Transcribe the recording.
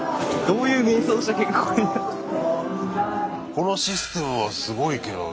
このシステムはすごいけど。